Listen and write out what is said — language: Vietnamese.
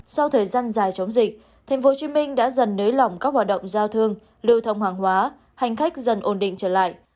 sau thời gian dài chống dịch tp hcm đã dần nới lỏng các hoạt động giao thương lưu thông hàng hóa hành khách dần ổn định trở lại